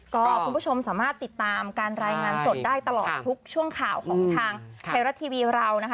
ก็คุณผู้ชมสามารถติดตามการรายงานสดได้ตลอดทุกช่วงข่าวของทางไทยรัฐทีวีเรานะคะ